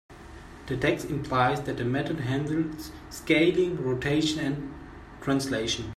The text implies that method handles scaling, rotation, and translation.